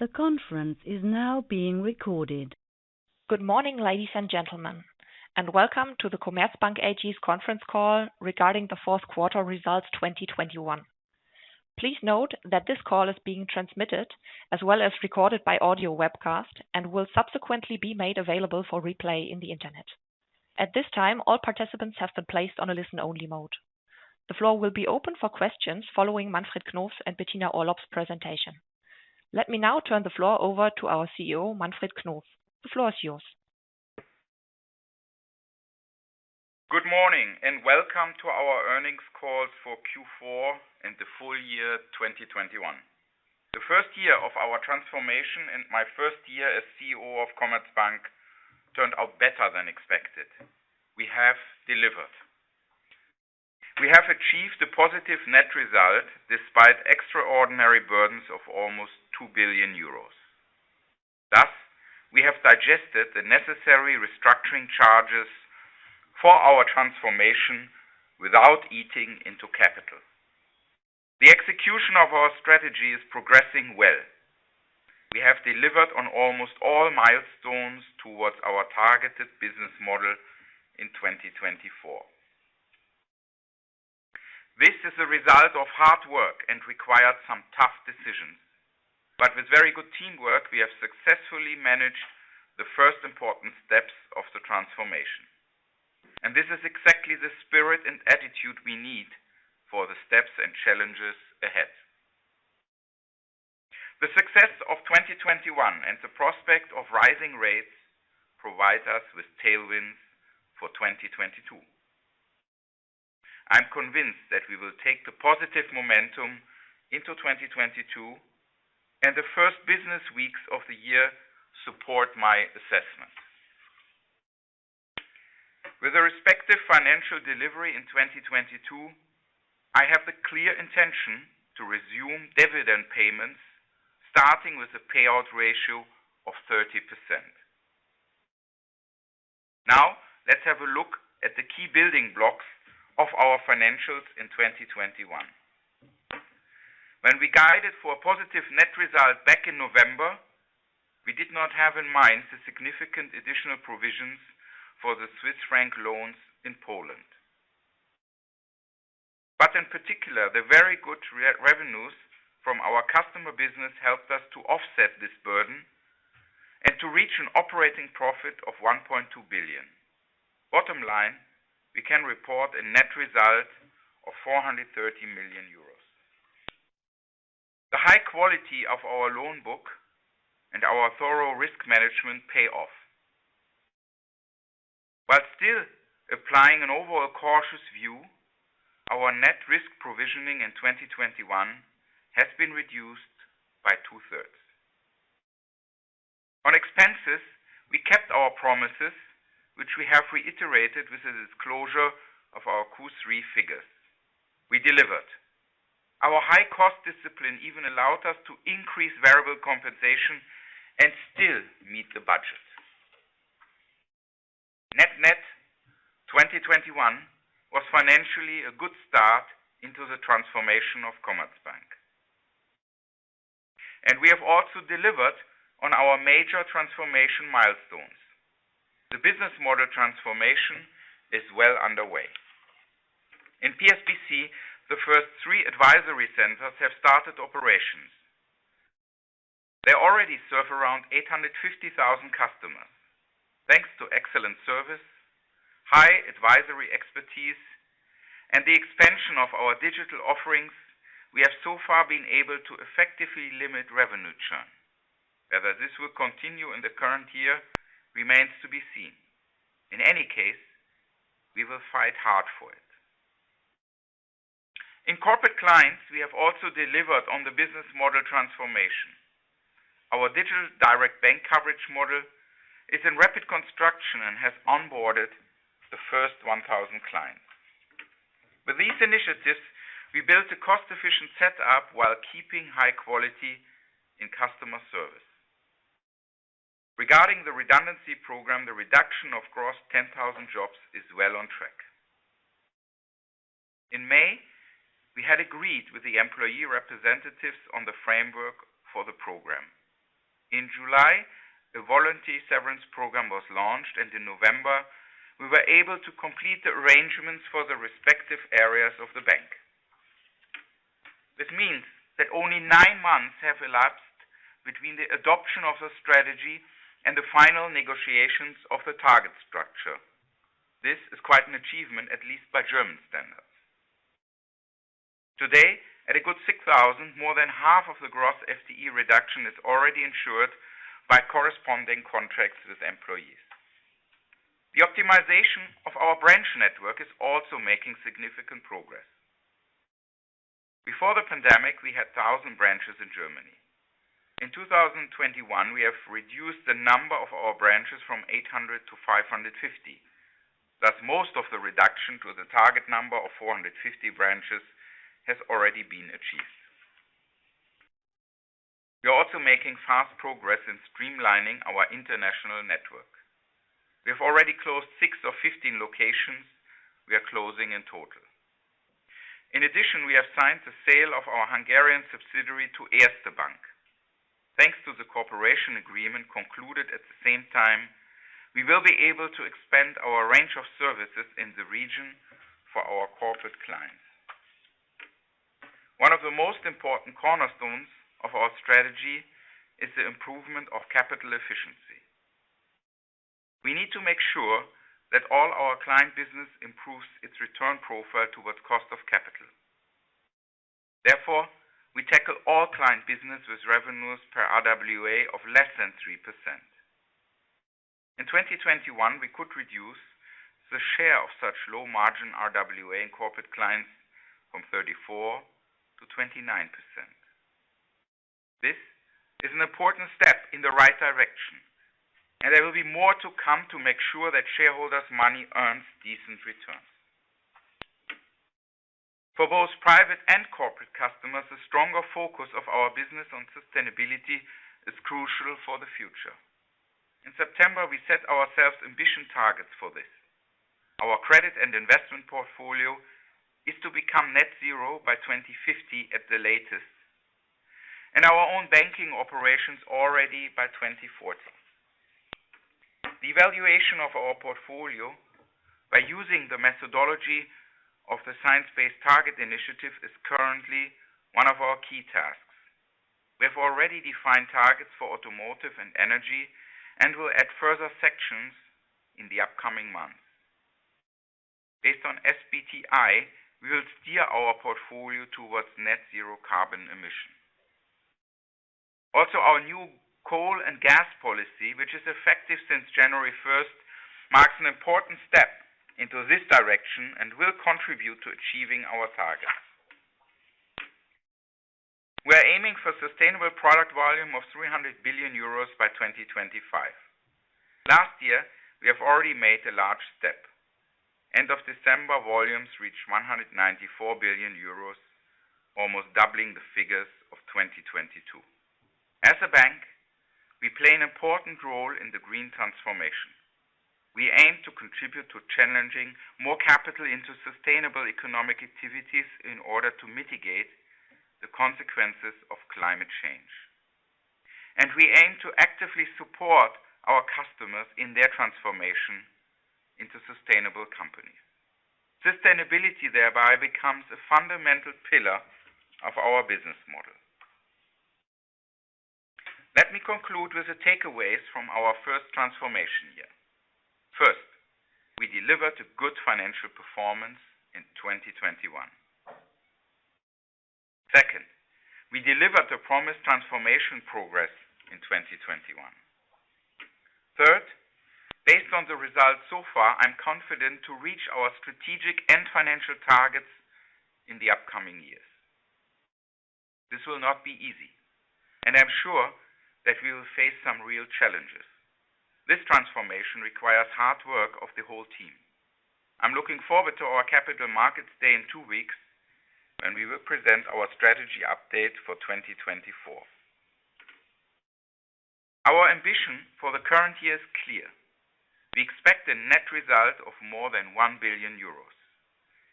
Good morning, ladies and gentlemen, and welcome to the Commerzbank AG's conference call regarding the fourth quarter results 2021. Please note that this call is being transmitted as well as recorded by audio webcast and will subsequently be made available for replay on the internet. At this time, all participants have been placed on a listen-only mode. The floor will be open for questions following Manfred Knof and Bettina Orlopp's presentation. Let me now turn the floor over to our CEO, Manfred Knof. The floor is yours. Good morning and welcome to our earnings call for Q4 and the full year 2021. The first year of our transformation and my first year as CEO of Commerzbank turned out better than expected. We have delivered. We have achieved a positive net result despite extraordinary burdens of almost 2 billion euros. Thus, we have digested the necessary restructuring charges for our transformation without eating into capital. The execution of our strategy is progressing well. We have delivered on almost all milestones towards our targeted business model in 2024. This is a result of hard work and required some tough decisions. With very good teamwork, we have successfully managed the first important steps of the transformation. This is exactly the spirit and attitude we need for the steps and challenges ahead. The success of 2021 and the prospect of rising rates provide us with tailwinds for 2022. I'm convinced that we will take the positive momentum into 2022, and the first business weeks of the year support my assessment. With the respective financial delivery in 2022, I have the clear intention to resume dividend payments, starting with a payout ratio of 30%. Now let's have a look at the key building blocks of our financials in 2021. When we guided for a positive net result back in November, we did not have in mind the significant additional provisions for the Swiss franc loans in Poland. In particular, the very good revenues from our customer business helped us to offset this burden and to reach an operating profit of 1.2 billion. Bottom line, we can report a net result of 430 million euros. The high quality of our loan book and our thorough risk management pay off. While still applying an overall cautious view, our net risk provisioning in 2021 has been reduced by two-thirds. On expenses, we kept our promises, which we have reiterated with the disclosure of our Q3 figures. We delivered. Our high cost discipline even allowed us to increase variable compensation and still meet the budget. Net-net, 2021 was financially a good start into the transformation of Commerzbank. We have also delivered on our major transformation milestones. The business model transformation is well underway. In PSBC, the first three advisory centers have started operations. They already serve around 850,000 customers. Thanks to excellent service, high advisory expertise, and the expansion of our digital offerings, we have so far been able to effectively limit revenue churn. Whether this will continue in the current year remains to be seen. In any case, we will fight hard for it. In Corporate Clients, we have also delivered on the business model transformation. Our digital direct bank coverage model is in rapid construction and has onboarded the first 1,000 clients. With these initiatives, we built a cost-efficient setup while keeping high quality in customer service. Regarding the redundancy program, the reduction of gross 10,000 jobs is well on track. In May, we had agreed with the employee representatives on the framework for the program. In July, the volunteer severance program was launched, and in November, we were able to complete the arrangements for the respective areas of the bank. This means that only nine months have elapsed between the adoption of the strategy and the final negotiations of the target structure. This is quite an achievement, at least by German standards. Today, at a good 6,000, more than half of the gross FTE reduction is already insured by corresponding contracts with employees. The optimization of our branch network is also making significant progress. Before the pandemic, we had 1,000 branches in Germany. In 2021, we have reduced the number of our branches from 800 to 550. Thus, most of the reduction to the target number of 450 branches has already been achieved. We are also making fast progress in streamlining our international network. We have already closed six of 15 locations we are closing in total. In addition, we have signed the sale of our Hungarian subsidiary to Erste Bank. Thanks to the cooperation agreement concluded at the same time, we will be able to expand our range of services in the region for our Corporate Clients. One of the most important cornerstones of our strategy is the improvement of capital efficiency. We need to make sure that all our client business improves its return profile towards cost of capital. Therefore, we tackle all client business with revenues per RWA of less than 3%. In 2021, we could reduce the share of such low margin RWA in Corporate Clients from 34% to 29%. This is an important step in the right direction, and there will be more to come to make sure that shareholders' money earns decent returns. For both private and corporate customers, a stronger focus of our business on sustainability is crucial for the future. In September, we set ourselves ambitious targets for this. Our credit and investment portfolio is to become net zero by 2050 at the latest, and our own banking operations already by 2040. The evaluation of our portfolio by using the methodology of the Science Based Targets initiative is currently one of our key tasks. We have already defined targets for automotive and energy and will add further sections in the upcoming months. Based on SBTI, we will steer our portfolio towards net zero carbon emission. Our new coal and gas policy, which is effective since January first, marks an important step into this direction and will contribute to achieving our targets. We are aiming for sustainable product volume of 300 billion euros by 2025. Last year, we have already made a large step. End of December, volumes reached 194 billion euros, almost doubling the figures of 2022. As a bank, we play an important role in the green transformation. We aim to contribute to challenging more capital into sustainable economic activities in order to mitigate the consequences of climate change. We aim to actively support our customers in their transformation into sustainable companies. Sustainability thereby becomes a fundamental pillar of our business model. Let me conclude with the takeaways from our first transformation year. First, we delivered a good financial performance in 2021. Second, we delivered the promised transformation progress in 2021. Third, based on the results so far, I'm confident to reach our strategic and financial targets in the upcoming years. This will not be easy, and I'm sure that we will face some real challenges. This transformation requires hard work of the whole team. I'm looking forward to our Capital Markets Day in two weeks when we will present our Strategy update for 2024. Our ambition for the current year is clear. We expect a net result of more than 1 billion euros,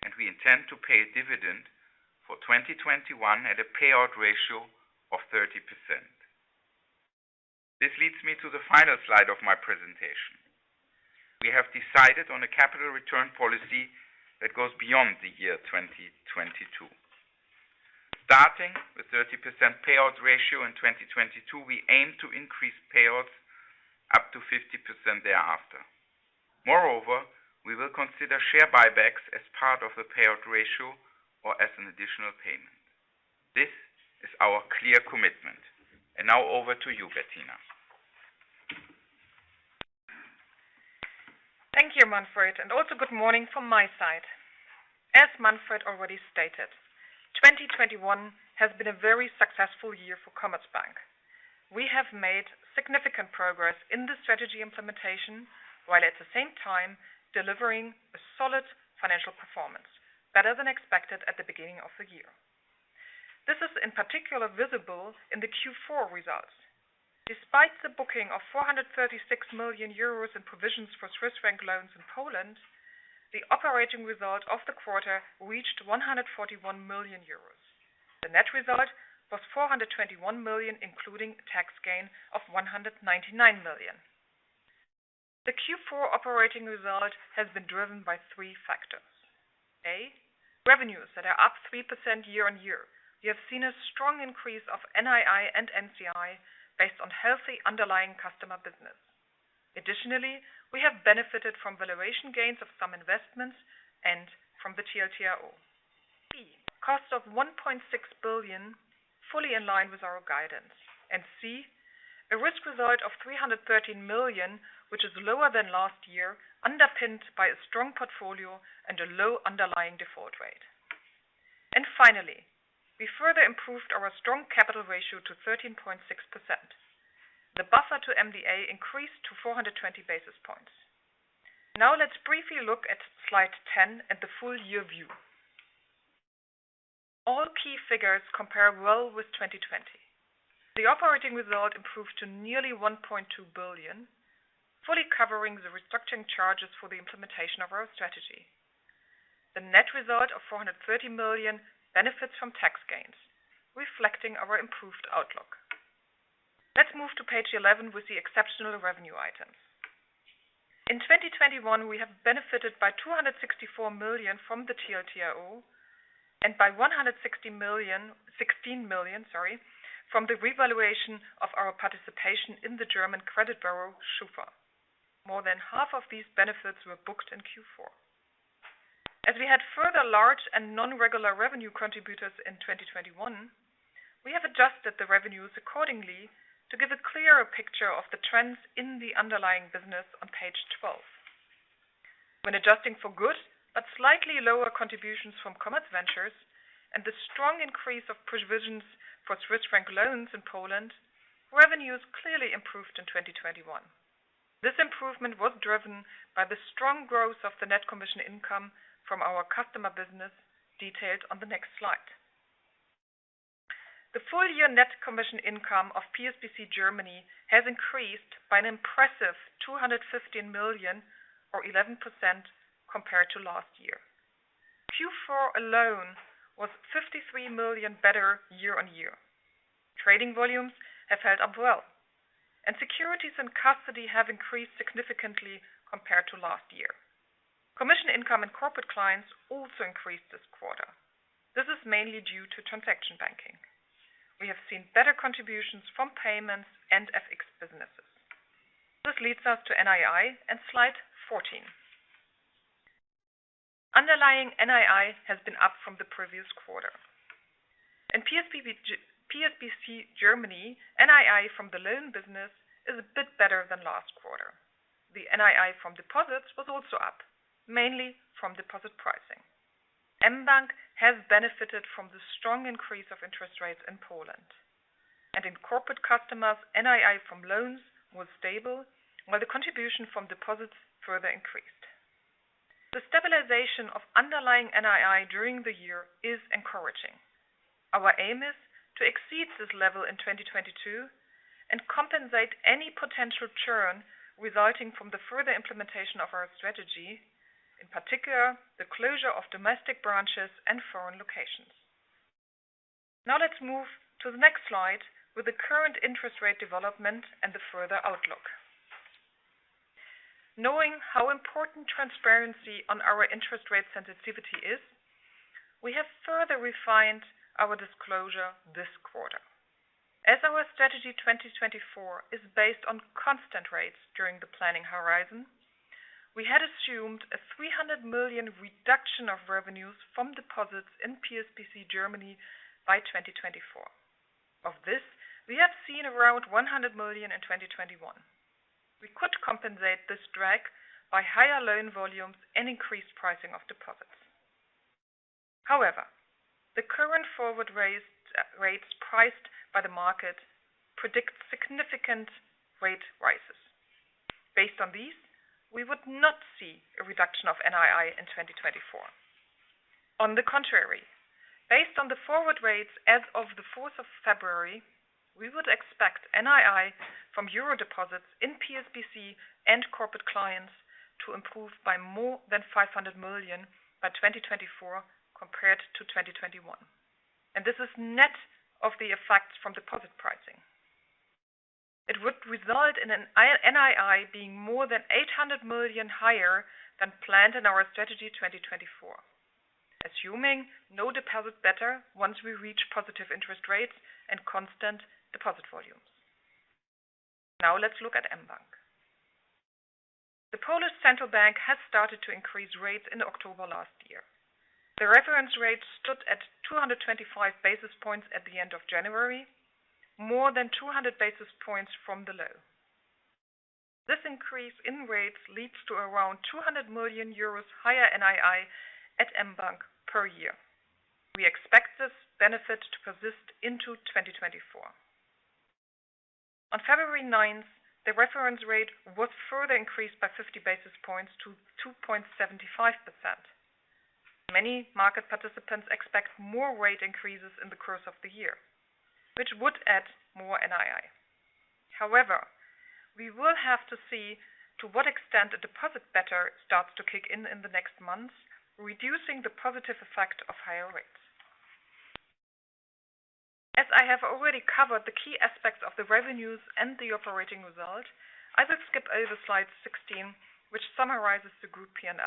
and we intend to pay a dividend for 2021 at a payout ratio of 30%. This leads me to the final slide of my presentation. We have decided on a capital return policy that goes beyond the year 2022. Starting with 30% payout ratio in 2022, we aim to increase payouts up to 50% thereafter. Moreover, we will consider share buybacks as part of the payout ratio or as an additional payment. This is our clear commitment. Now over to you, Bettina. Thank you, Manfred, and also good morning from my side. As Manfred already stated, 2021 has been a very successful year for Commerzbank. We have made significant progress in the strategy implementation while at the same time delivering a solid financial performance, better than expected at the beginning of the year. This is in particular visible in the Q4 results. Despite the booking of 436 million euros in provisions for Swiss franc loans in Poland, the operating result of the quarter reached 141 million euros. The net result was 421 million, including a tax gain of 199 million. The Q4 operating result has been driven by three factors. A, revenues that are up 3% year-on-year. We have seen a strong increase of NII and NCI based on healthy underlying customer business. Additionally, we have benefited from valuation gains of some investments and from the TLTRO. B, cost of 1.6 billion, fully in line with our guidance. C, a risk result of 313 million, which is lower than last year, underpinned by a strong portfolio and a low underlying default rate. Finally, we further improved our strong capital ratio to 13.6%. The buffer to MDA increased to 420 basis points. Now let's briefly look at slide 10 and the full year view. Figures compare well with 2020. The operating result improved to nearly 1.2 billion, fully covering the restructuring charges for the implementation of our strategy. The net result of 430 million benefits from tax gains, reflecting our improved outlook. Let's move to page 11 with the exceptional revenue items. In 2021 we have benefited by 264 million from the TLTRO and by 16 million, sorry, from the revaluation of our participation in the German Credit Bureau, SCHUFA. More than half of these benefits were booked in Q4. As we had further large and non-regular revenue contributors in 2021, we have adjusted the revenues accordingly to give a clearer picture of the trends in the underlying business on page 12. When adjusting for good but slightly lower contributions from CommerzVentures and the strong increase of provisions for Swiss franc loans in Poland, revenues clearly improved in 2021. This improvement was driven by the strong growth of the net commission income from our customer business detailed on the next slide. The full year net commission income of PSBC Germany has increased by an impressive 215 million or 11% compared to last year. Q4 alone was 53 million better year-on-year. Trading volumes have held up well, and securities and custody have increased significantly compared to last year. Commission income in Corporate Clients also increased this quarter. This is mainly due to transaction banking. We have seen better contributions from payments and FX businesses. This leads us to NII and slide 14. Underlying NII has been up from the previous quarter. In PSBC Germany, NII from the loan business is a bit better than last quarter. The NII from deposits was also up, mainly from deposit pricing. mBank has benefited from the strong increase of interest rates in Poland. In corporate customers, NII from loans was stable, while the contribution from deposits further increased. The stabilization of underlying NII during the year is encouraging. Our aim is to exceed this level in 2022 and compensate any potential churn resulting from the further implementation of our strategy, in particular, the closure of domestic branches and foreign locations. Now let's move to the next slide with the current interest rate development and the further outlook. Knowing how important transparency on our interest rate sensitivity is, we have further refined our disclosure this quarter. As our Strategy 2024 is based on constant rates during the planning horizon, we had assumed a 300 million reduction of revenues from deposits in PSBC Germany by 2024. Of this, we have seen around 100 million in 2021. We could compensate this drag by higher loan volumes and increased pricing of deposits. However, the current forward rates priced by the market predict significant rate rises. Based on these, we would not see a reduction of NII in 2024. On the contrary, based on the forward rates as of the 4th of February, we would expect NII from euro deposits in PSBC and Corporate Clients to improve by more than 500 million by 2024 compared to 2021. This is net of the effects from deposit pricing. It would result in NII being more than 800 million higher than planned in our Strategy 2024, assuming no deposit beta once we reach positive interest rates and constant deposit volumes. Now let's look at mBank. The Polish Central Bank has started to increase rates in October last year. The reference rate stood at 225 basis points at the end of January, more than 200 basis points from the low. This increase in rates leads to around 200 million euros higher NII at mBank per year. We expect this benefit to persist into 2024. On February 9th, the reference rate was further increased by 50 basis points to 2.75%. Many market participants expect more rate increases in the course of the year, which would add more NII. However, we will have to see to what extent the deposit beta starts to kick in in the next months, reducing the positive effect of higher rates. As I have already covered the key aspects of the revenues and the operating result, I will skip over slide 16, which summarizes the group P&L.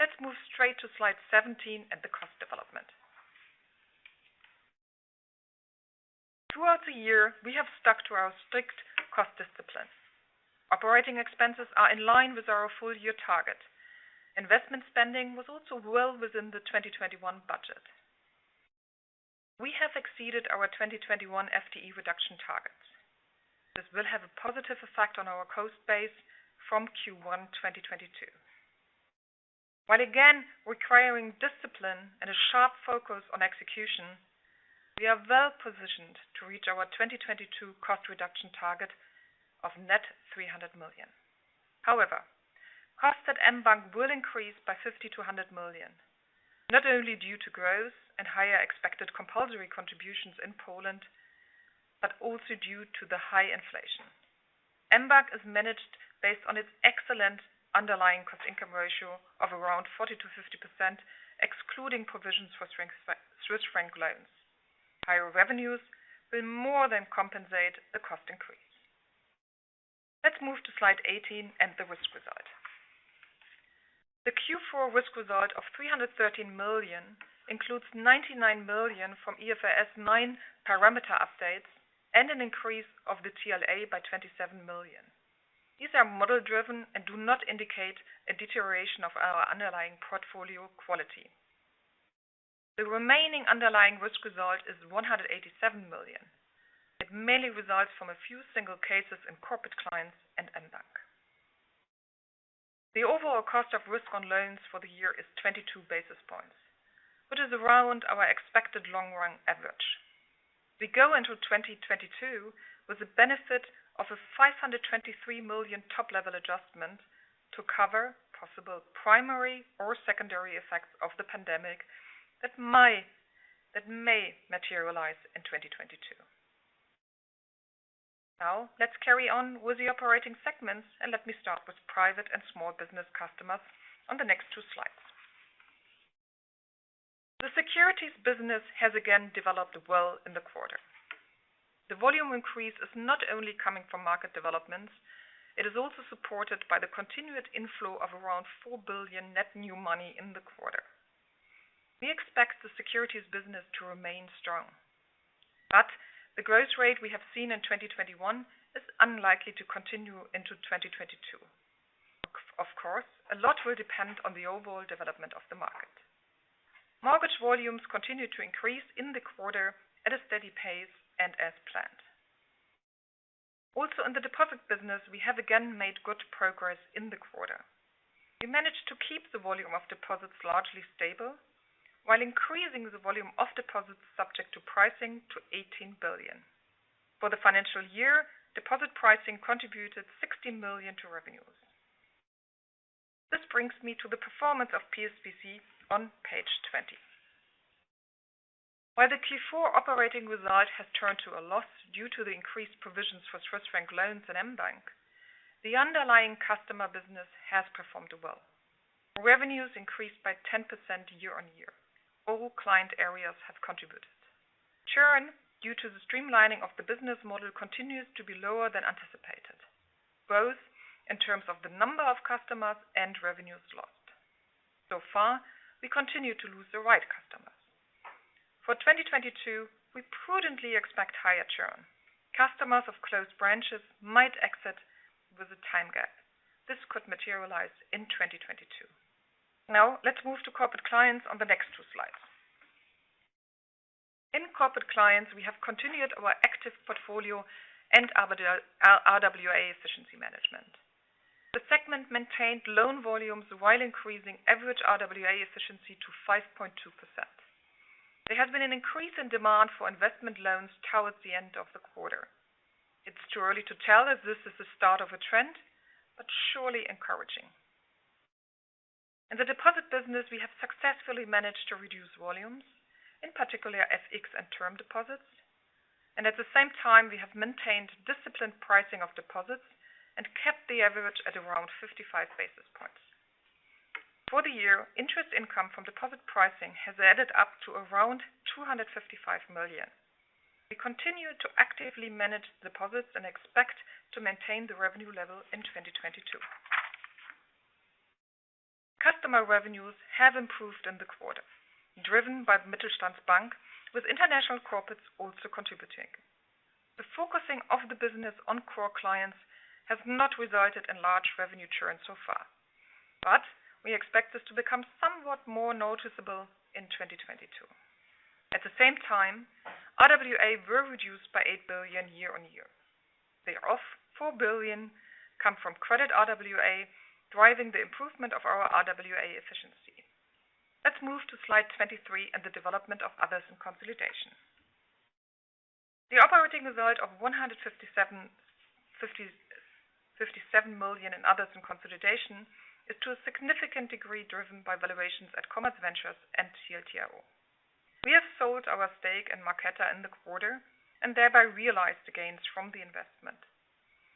Let's move straight to slide 17 and the cost development. Throughout the year, we have stuck to our strict cost discipline. Operating expenses are in line with our full year target. Investment spending was also well within the 2021 budget. We have exceeded our 2021 FTE reduction targets. This will have a positive effect on our cost base from Q1 2022. While again requiring discipline and a sharp focus on execution, we are well positioned to reach our 2022 cost reduction target of net 300 million. However, costs at mBank will increase by 50 million-100 million, not only due to growth and higher expected compulsory contributions in Poland, but also due to the high inflation. mBank is managed based on its excellent underlying cost income ratio of around 40%-50%, excluding provisions for Swiss franc loans. Higher revenues will more than compensate the cost increase. Let's move to slide 18 and the risk result. The Q4 risk result of 313 million includes 99 million from IFRS 9 parameter updates and an increase of the TLA by 27 million. These are model-driven and do not indicate a deterioration of our underlying portfolio quality. The remaining underlying risk result is 187 million. It mainly results from a few single cases in Corporate Clients and mBank. The overall cost of risk on loans for the year is 22 basis points, which is around our expected long run average. We go into 2022 with the benefit of a 523 million top level adjustment to cover possible primary or secondary effects of the pandemic that may materialize in 2022. Now let's carry on with the operating segments and let me start with private and small business customers on the next two slides. The securities business has again developed well in the quarter. The volume increase is not only coming from market developments, it is also supported by the continued inflow of around 4 billion net new money in the quarter. We expect the securities business to remain strong, but the growth rate we have seen in 2021 is unlikely to continue into 2022. Of course, a lot will depend on the overall development of the market. Mortgage volumes continued to increase in the quarter at a steady pace and as planned. Also in the deposit business we have again made good progress in the quarter. We managed to keep the volume of deposits largely stable while increasing the volume of deposits subject to pricing to 18 billion. For the financial year, deposit pricing contributed 16 million to revenues. This brings me to the performance of PSBC on page 20. While the Q4 operating result has turned to a loss due to the increased provisions for Swiss franc loans at mBank, the underlying customer business has performed well. Revenues increased by 10% year-on-year. All client areas have contributed. Churn due to the streamlining of the business model continues to be lower than anticipated, both in terms of the number of customers and revenues lost. So far, we continue to lose the right customers. For 2022, we prudently expect higher churn. Customers of closed branches might exit with a time gap. This could materialize in 2022. Now let's move to Corporate Clients on the next two slides. In Corporate Clients, we have continued our active portfolio and RWA efficiency management. The segment maintained loan volumes while increasing average RWA efficiency to 5.2%. There has been an increase in demand for investment loans towards the end of the quarter. It's too early to tell if this is the start of a trend, but surely encouraging. In the deposit business we have successfully managed to reduce volumes, in particular FX and term deposits, and at the same time we have maintained disciplined pricing of deposits and kept the average at around 55 basis points. For the year, interest income from deposit pricing has added up to around 255 million. We continue to actively manage deposits and expect to maintain the revenue level in 2022. Customer revenues have improved in the quarter, driven by Mittelstandsbank, with international corporates also contributing. The focusing of the business on core clients has not resulted in large revenue churn so far, but we expect this to become somewhat more noticeable in 2022. At the same time, RWA were reduced by 8 billion year-on-year. They are off 4 billion, come from credit RWA, driving the improvement of our RWA efficiency. Let's move to slide 23 and the development of others in consolidation. The operating result of 157 million in others in consolidation is to a significant degree driven by valuations at CommerzVentures and TLTRO. We have sold our stake in Marqeta in the quarter and thereby realized gains from the investment.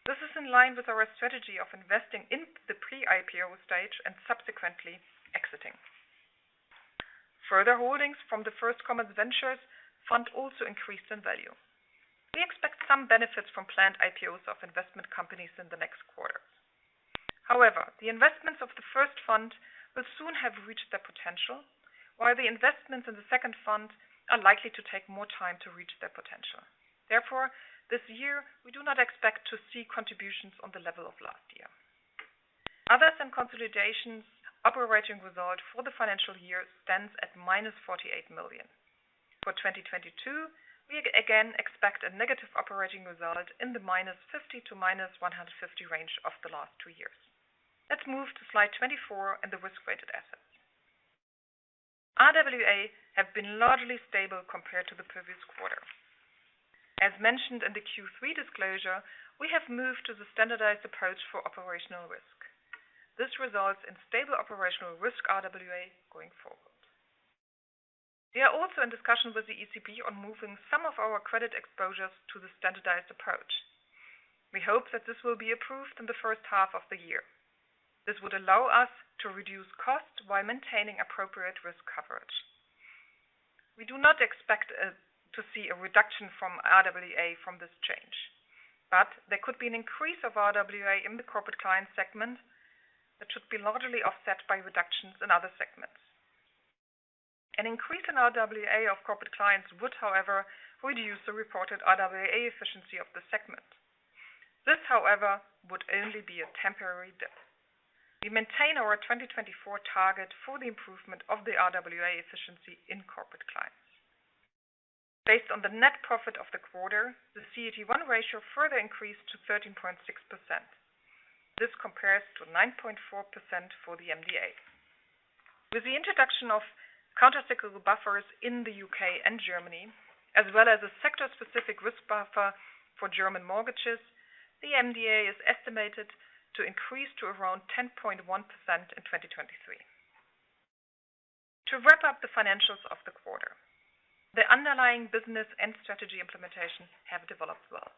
This is in line with our strategy of investing in the pre-IPO stage and subsequently exiting. Further holdings from the first CommerzVentures fund also increased in value. We expect some benefits from planned IPOs of investment companies in the next quarters. However, the investments of the first fund will soon have reached their potential, while the investments in the second fund are likely to take more time to reach their potential. Therefore, this year we do not expect to see contributions on the level of last year. Other than consolidations, operating result for the financial year stands at -48 million. For 2022, we again expect a negative operating result in the -50 million to -150 million range of the last two years. Let's move to slide 24 and the risk-weighted assets. RWA have been largely stable compared to the previous quarter. As mentioned in the Q3 disclosure, we have moved to the standardized approach for operational risk. This results in stable operational risk RWA going forward. We are also in discussions with the ECB on moving some of our credit exposures to the standardized approach. We hope that this will be approved in the first half of the year. This would allow us to reduce costs while maintaining appropriate risk coverage. We do not expect to see a reduction from RWA from this change, but there could be an increase of RWA in the Corporate Clients segment that should be largely offset by reductions in other segments. An increase in RWA of Corporate Clients would, however, reduce the reported RWA efficiency of the segment. This, however, would only be a temporary dip. We maintain our 2024 target for the improvement of the RWA efficiency in Corporate Clients. Based on the net profit of the quarter, the CET1 ratio further increased to 13.6%. This compares to 9.4% for the MDA. With the introduction of countercyclical buffers in the U.K. and Germany, as well as a sector-specific risk buffer for German mortgages, the MDA is estimated to increase to around 10.1% in 2023. To wrap up the financials of the quarter, the underlying business and strategy implementation have developed well.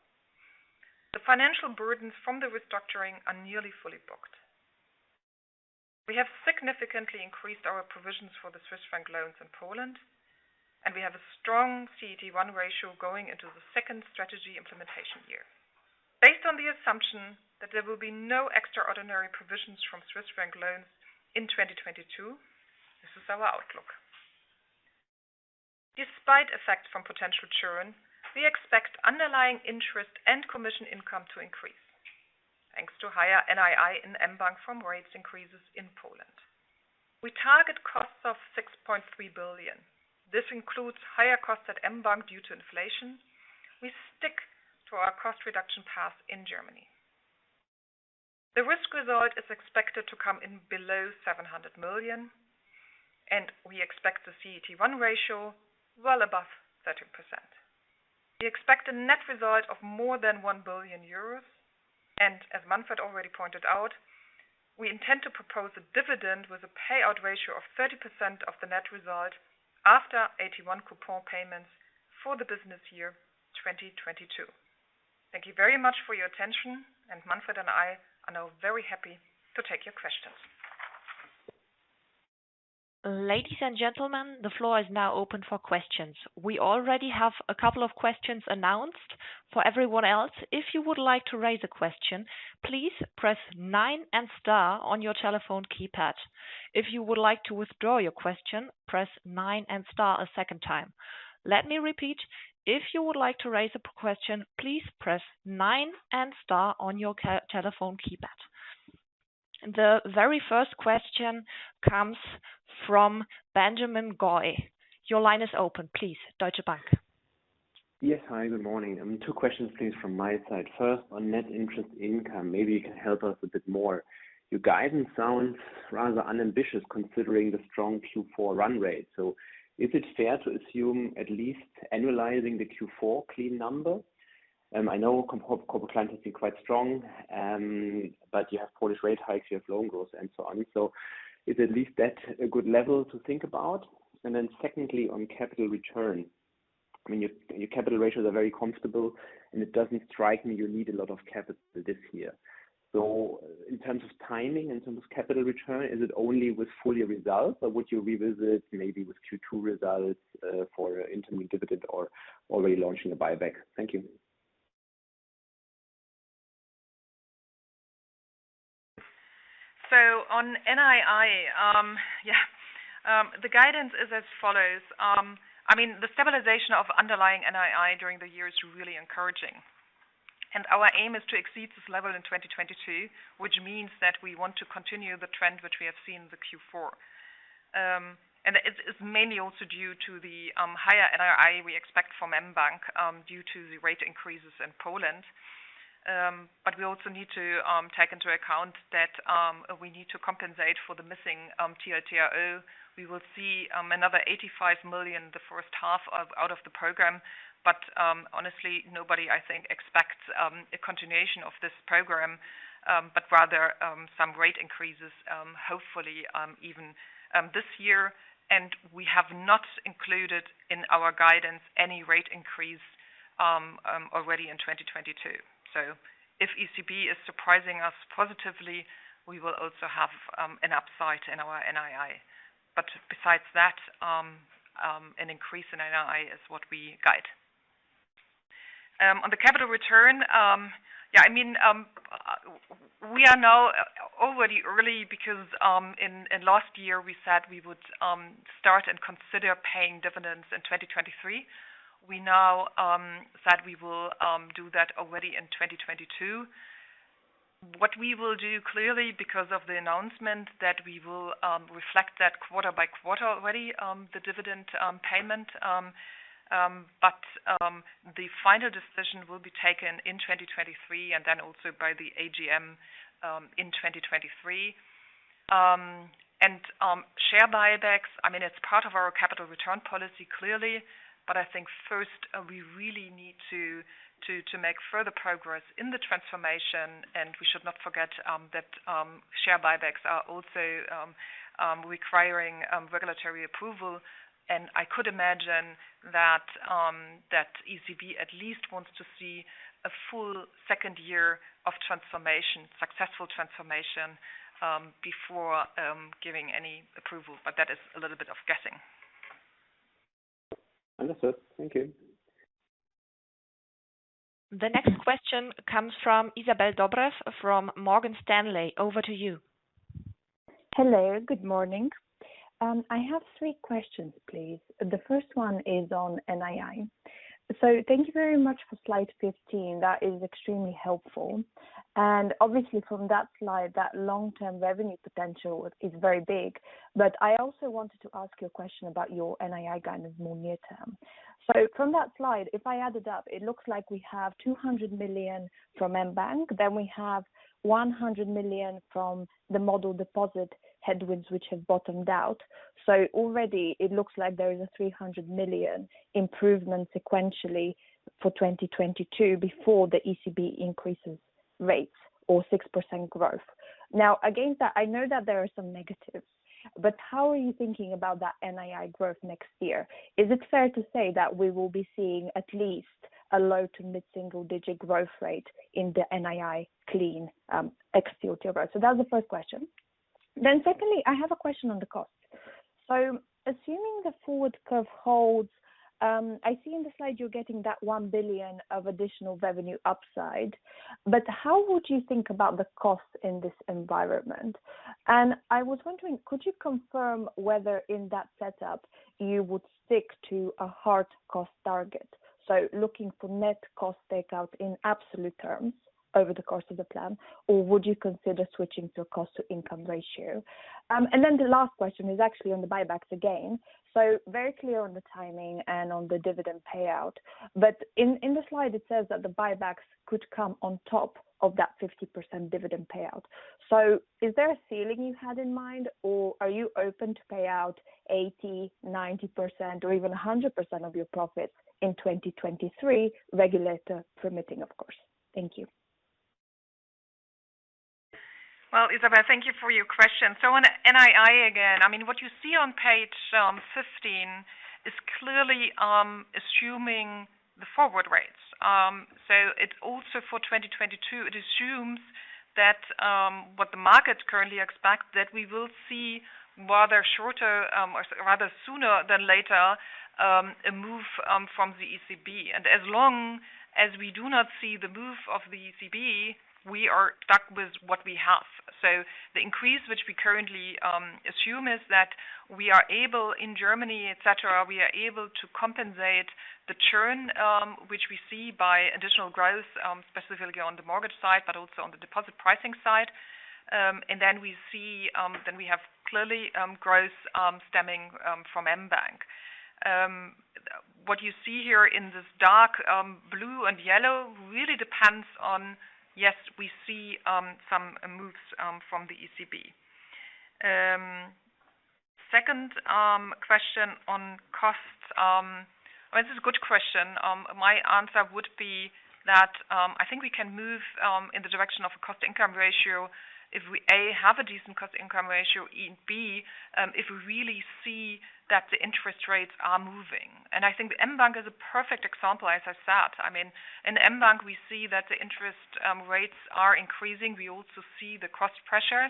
The financial burdens from the restructuring are nearly fully booked. We have significantly increased our provisions for the Swiss franc loans in Poland, and we have a strong CET1 ratio going into the second strategy implementation year. Based on the assumption that there will be no extraordinary provisions from Swiss franc loans in 2022, this is our outlook. Despite effect from potential churn, we expect underlying interest and commission income to increase thanks to higher NII in mBank from rates increases in Poland. We target costs of 6.3 billion. This includes higher costs at mBank due to inflation. We stick to our cost reduction path in Germany. The risk result is expected to come in below 700 million, and we expect the CET1 ratio well above 13%. We expect a net result of more than 1 billion euros, and as Manfred already pointed out, we intend to propose a dividend with a payout ratio of 30% of the net result after AT1 coupon payments for the business year 2022. Thank you very much for your attention, and Manfred and I are now very happy to take your questions. Ladies and gentlemen, the floor is now open for questions. We already have a couple of questions announced. For everyone else, if you would like to raise a question, please press nine and star on your telephone keypad. If you would like to withdraw your question, press nine and star a second time. Let me repeat. If you would like to raise a question, please press nine and star on your telephone keypad. The very first question comes from Benjamin Goy. Your line is open, please. Deutsche Bank. Yes. Hi, good morning. Two questions, please, from my side. First, on net interest income, maybe you can help us a bit more. Your guidance sounds rather unambitious considering the strong Q4 run rate. Is it fair to assume at least annualizing the Q4 clean number? I know Corporate Clients have been quite strong, but you have Polish rate hikes, you have loan growth and so on. Is at least that a good level to think about? Then secondly, on capital return, I mean, your capital ratios are very comfortable, and it doesn't strike me you need a lot of capital this year. In terms of timing, in terms of capital return, is it only with full year results, or would you revisit maybe with Q2 results, for interim dividend or already launching a buyback? Thank you. On NII, yeah. The guidance is as follows. I mean, the stabilization of underlying NII during the year is really encouraging. Our aim is to exceed this level in 2022, which means that we want to continue the trend which we have seen in the Q4. It's mainly also due to the higher NII we expect from mBank due to the rate increases in Poland. We also need to take into account that we need to compensate for the missing TLTRO. We will see another 85 million out of the program. Honestly, nobody, I think, expects a continuation of this program, but rather some rate increases, hopefully even this year. We have not included in our guidance any rate increase already in 2022. If ECB is surprising us positively, we will also have an upside in our NII. Besides that, an increase in NII is what we guide. On the capital return, yeah, I mean, we are now already early because in last year we said we would start and consider paying dividends in 2023. We now said we will do that already in 2022. What we will do clearly because of the announcement that we will reflect that quarter by quarter already, the dividend payment, the final decision will be taken in 2023 and then also by the AGM in 2023. Share buybacks, I mean, it's part of our capital return policy, clearly. I think first we really need to make further progress in the transformation, and we should not forget that share buybacks are also requiring regulatory approval. I could imagine that ECB at least wants to see a full second year of transformation, successful transformation, before giving any approval. That is a little bit of guessing. Understood. Thank you. The next question comes from Izabel Dobreva from Morgan Stanley. Over to you. Hello, good morning. I have three questions, please. The first one is on NII. Thank you very much for slide 15. That is extremely helpful. Obviously from that slide, that long-term revenue potential is very big. I also wanted to ask you a question about your NII kind of more near term. From that slide, if I add it up, it looks like we have 200 million from mBank, then we have 100 million from the model deposit headwinds which have bottomed out. Already it looks like there is a 300 million improvement sequentially for 2022 before the ECB increases rates or 6% growth. Now, against that, I know that there are some negatives, but how are you thinking about that NII growth next year? Is it fair to say that we will be seeing at least a low- to mid-single-digit growth rate in the NII clean, ex the October? That's the first question. Secondly, I have a question on the cost. Assuming the forward curve holds, I see in the slide you're getting that 1 billion of additional revenue upside. How would you think about the cost in this environment? I was wondering, could you confirm whether in that setup you would stick to a hard cost target? Looking for net cost takeout in absolute terms over the course of the plan. Would you consider switching to a cost-to-income ratio? Then the last question is actually on the buybacks again. Very clear on the timing and on the dividend payout. In the slide it says that the buybacks could come on top of that 50% dividend payout. Is there a ceiling you had in mind, or are you open to pay out 80%, 90% or even 100% of your profits in 2023, regulator permitting, of course? Thank you. Well, Isabelle, thank you for your question. On NII again, I mean, what you see on page 15 is clearly assuming the forward rates. It's also for 2022, it assumes that what the market currently expects, that we will see rather sooner than later a move from the ECB. As long as we do not see the move of the ECB, we are stuck with what we have. The increase which we currently assume is that we are able in Germany, et cetera, we are able to compensate the churn which we see by additional growth, specifically on the mortgage side, but also on the deposit pricing side. Then we have clearly growth stemming from mBank. What you see here in this dark blue and yellow really depends on, yes, we see some moves from the ECB. Second question on costs. This is a good question. My answer would be that I think we can move in the direction of a cost-to-income ratio if we, A, have a decent cost-to-income ratio, and B, if we really see that the interest rates are moving. I think mBank is a perfect example, as I said. I mean, in mBank we see that the interest rates are increasing. We also see the cost pressure.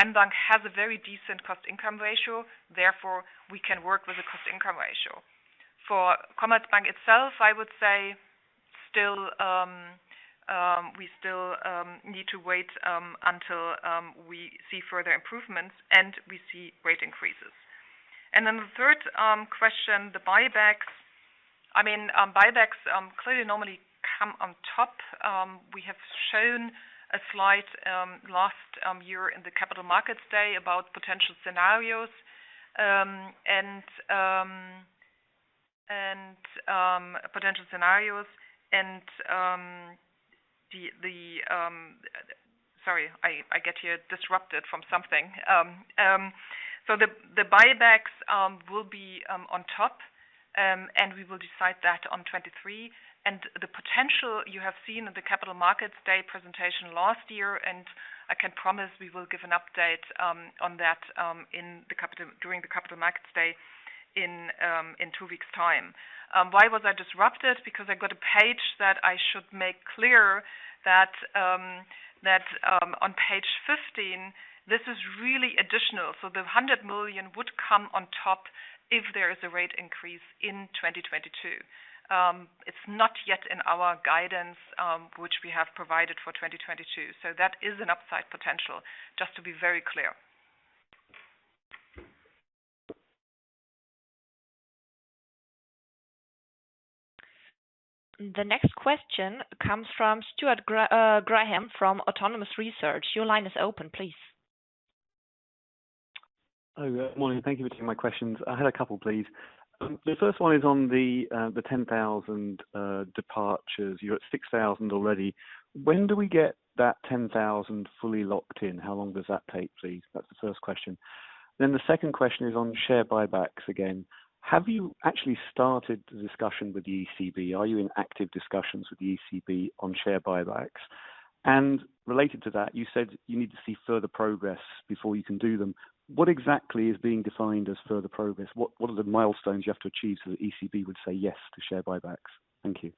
mBank has a very decent cost-income ratio. Therefore, we can work with the cost-income ratio. For Commerzbank itself, I would say still we need to wait until we see further improvements and we see rate increases. The third question, the buybacks. I mean, buybacks clearly normally come on top. We have shown a slide last year in the Capital Markets Day about potential scenarios, potential scenarios. Sorry, I get here disrupted from something. So the buybacks will be on top. We will decide that on 2023. The potential you have seen at the Capital Markets Day presentation last year, and I can promise we will give an update on that during the Capital Markets Day in two weeks' time. Why was I disrupted? Because I got a page that I should make clear that on page 15 this is really additional. The 100 million would come on top if there is a rate increase in 2022. It's not yet in our guidance, which we have provided for 2022. That is an upside potential, just to be very clear. The next question comes from Stuart Graham from Autonomous Research. Your line is open, please. Oh, good morning. Thank you for taking my questions. I had a couple, please. The first one is on the 10,000 departures. You're at 6,000 already. When do we get that 10,000 fully locked in? How long does that take, please? That's the first question. The second question is on share buybacks again. Have you actually started the discussion with the ECB? Are you in active discussions with the ECB on share buybacks? And related to that, you said you need to see further progress before you can do them. What exactly is being defined as further progress? What are the milestones you have to achieve so the ECB would say yes to share buybacks? Thank you.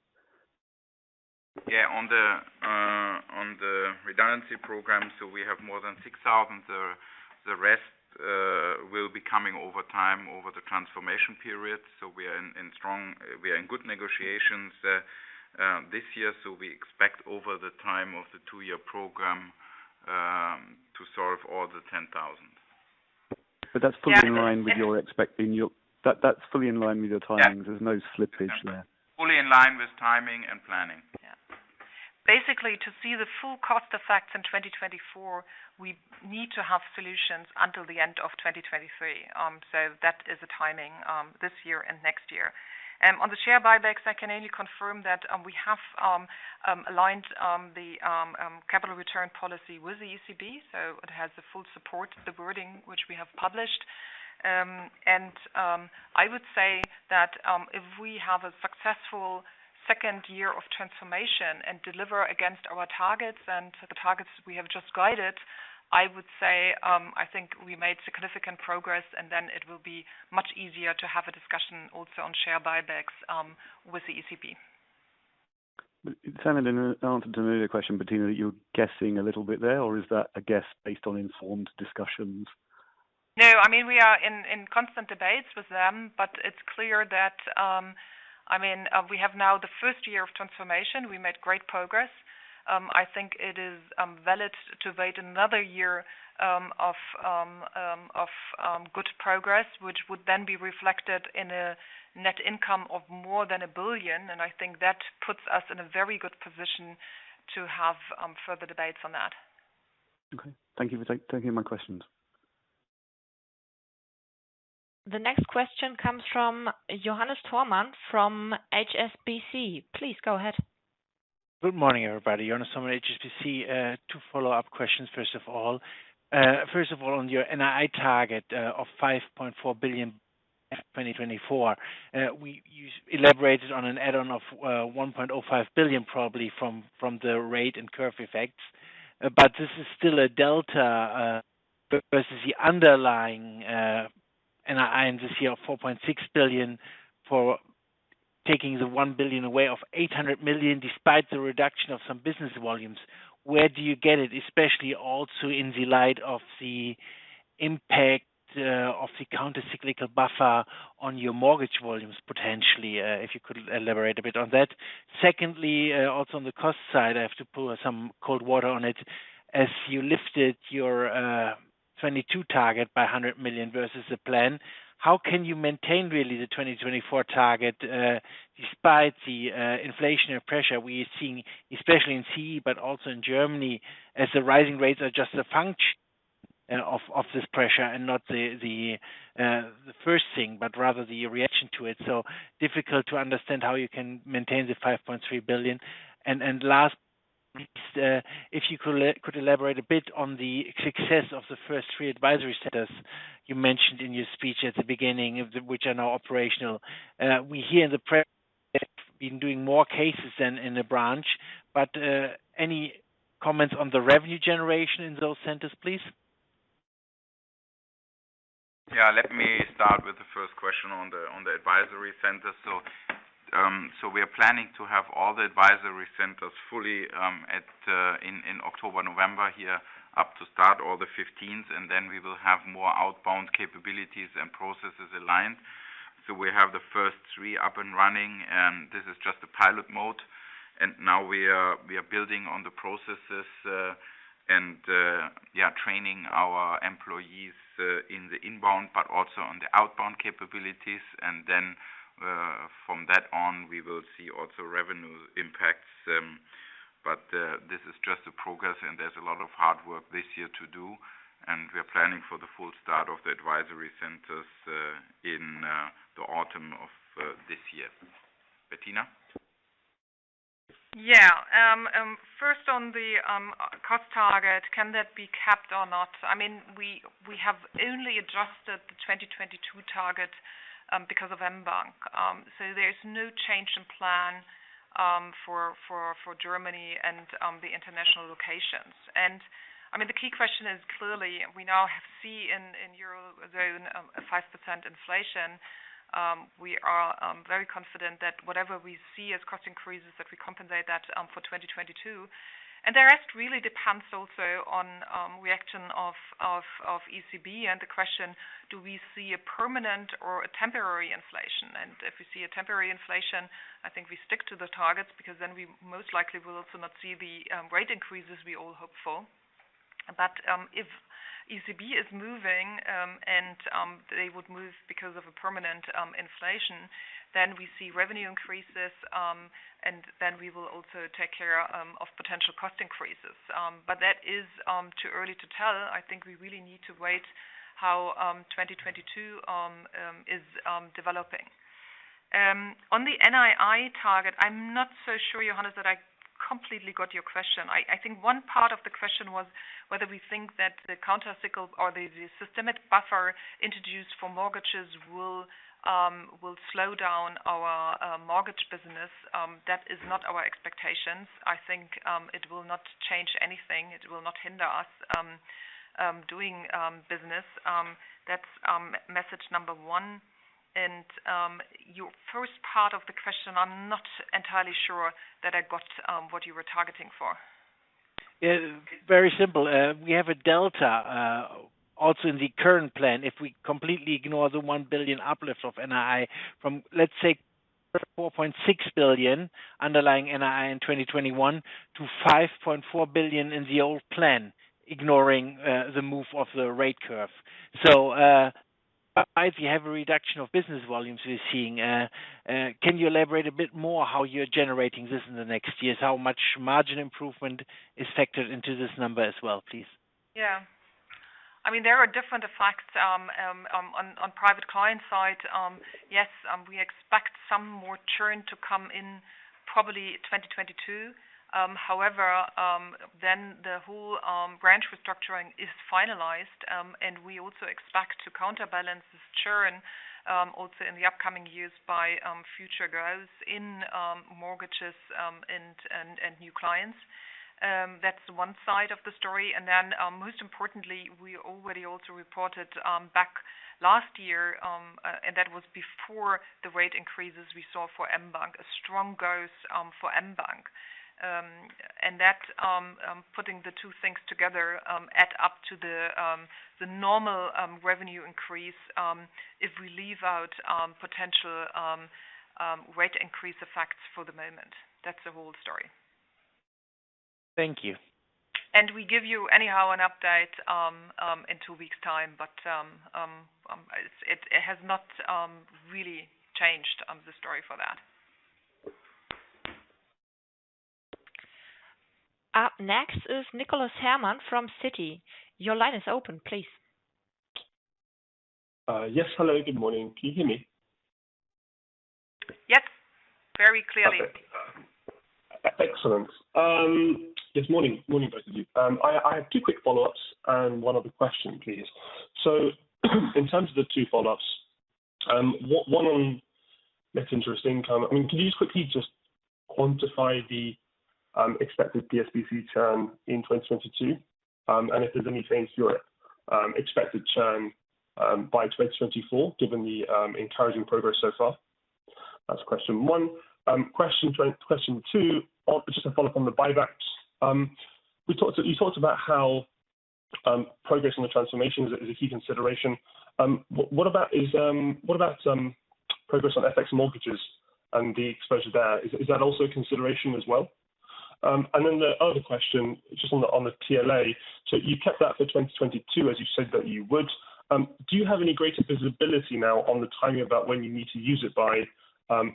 Yeah. On the redundancy program, so we have more than 6,000. The rest will be coming over time over the transformation period. We are in good negotiations this year, so we expect over the time of the two-year program to solve all the 10,000. That's fully in line with your timings. Yeah. There's no slippage there. Fully in line with timing and planning. Yeah. Basically, to see the full cost effects in 2024, we need to have solutions until the end of 2023. That is the timing, this year and next year. On the share buybacks, I can only confirm that we have aligned the capital return policy with the ECB, so it has the full support, the wording which we have published. I would say that if we have a successful second year of transformation and deliver against our targets and the targets we have just guided, I would say I think we made significant progress, and then it will be much easier to have a discussion also on share buybacks with the ECB. It sounded in an answer to an earlier question, Bettina, you're guessing a little bit there, or is that a guess based on informed discussions? No. I mean, we are in constant debates with them, but it's clear that, I mean, we have now the first year of transformation. We made great progress. I think it is valid to wait another year of good progress, which would then be reflected in a net income of more than 1 billion. I think that puts us in a very good position to have further debates on that. Okay. Thank you for taking my questions. The next question comes from Johannes Thormann from HSBC. Please go ahead. Good morning, everybody. Johannes Thormann, HSBC. Two follow-up questions, first of all. First of all, on your NII target of 5.4 billion in 2024, you elaborated on an add-on of 1.05 billion, probably from the rate and curve effects. This is still a delta versus the underlying NII in this year of 4.6 billion after taking the 1 billion away of 800 million despite the reduction of some business volumes. Where do you get it, especially also in the light of the impact of the counter-cyclical buffer on your mortgage volumes, potentially? If you could elaborate a bit on that. Secondly, also on the cost side, I have to pour some cold water on it. As you lifted your 2022 target by 100 million versus the plan, how can you maintain really the 2024 target despite the inflationary pressure we are seeing, especially in CEE, but also in Germany, as the rising rates are just a function of this pressure and not the first thing, but rather the reaction to it. It is difficult to understand how you can maintain the 5.3 billion. Last, if you could elaborate a bit on the success of the first three advisory centers you mentioned in your speech at the beginning, which are now operational. We hear the reps have been doing more cases than in the branch. Any comments on the revenue generation in those centers, please? Yeah. Let me start with the first question on the advisory center. We are planning to have all the advisory centers fully in October, November up to start all the 15s, and then we will have more outbound capabilities and processes aligned. We have the first three up and running, and this is just a pilot mode. Now we are building on the processes and yeah, training our employees in the inbound but also on the outbound capabilities. Then from that on, we will see also revenue impacts. This is just the progress, and there's a lot of hard work this year to do, and we are planning for the full start of the advisory centers in the autumn of this year. Bettina? Yeah. First on the cost target, can that be capped or not? I mean, we have only adjusted the 2022 target because of mBank. There's no change in plan for Germany and the international locations. I mean, the key question is clearly we now see in Eurozone a 5% inflation. We are very confident that whatever we see as cost increases, that we compensate that for 2022. The rest really depends also on reaction of ECB and the question, do we see a permanent or a temporary inflation? If we see a temporary inflation, I think we stick to the targets because then we most likely will also not see the rate increases we all hope for. If ECB is moving, and they would move because of a permanent inflation. We see revenue increases, and then we will also take care of potential cost increases. That is too early to tell. I think we really need to wait how 2022 is developing. On the NII target, I'm not so sure, Johannes, that I completely got your question. I think one part of the question was whether we think that the countercyclical or the systemic buffer introduced for mortgages will slow down our mortgage business. That is not our expectations. I think it will not change anything. It will not hinder us doing business. That's message number one. Your first part of the question, I'm not entirely sure that I got what you were targeting for. Yeah. Very simple. We have a delta, also in the current plan, if we completely ignore the 1 billion uplift of NII from, let's say, 4.6 billion underlying NII in 2021 to 5.4 billion in the old plan, ignoring the move of the rate curve. If you have a reduction of business volumes we're seeing, can you elaborate a bit more how you're generating this in the next years? How much margin improvement is factored into this number as well, please? Yeah. I mean, there are different effects on private client side. Yes, we expect some more churn to come in probably 2022. However, then the whole branch restructuring is finalized, and we also expect to counterbalance this churn also in the upcoming years by future growth in mortgages and new clients. That's one side of the story. Most importantly, we already also reported back last year, and that was before the rate increases we saw for mBank, a strong growth for mBank. That, putting the two things together, add up to the normal revenue increase, if we leave out potential rate increase effects for the moment. That's the whole story. Thank you. We give you anyhow an update in two weeks time, but it has not really changed the story for that. Up next is Nicholas Herman from Citi. Your line is open, please. Yes. Hello, good morning. Can you hear me? Yes. Very clearly. Okay. Excellent. Yes, morning. Morning, both of you. I have two quick follow-ups and one other question, please. In terms of the two follow-ups, one on net interest income, I mean, can you quickly just quantify the expected PSBC churn in 2022? And if there's any change to your expected churn by 2024, given the encouraging progress so far? That's question one. Question two, just a follow-up on the buybacks. We talked, you talked about how progress on the transformation is a key consideration. What about progress on FX mortgages and the exposure there? Is that also a consideration as well? And then the other question, just on the TLA. You kept that for 2022, as you said that you would. Do you have any greater visibility now on the timing about when you need to use it by,